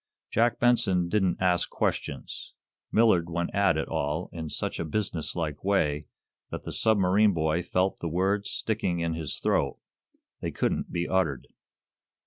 Jack Benson didn't ask questions. Millard went at it all in such a business like way that the submarine boy felt the words sticking in his throat; they couldn't be uttered.